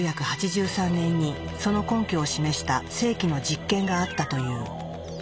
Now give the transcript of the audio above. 実は１９８３年にその根拠を示した世紀の実験があったという。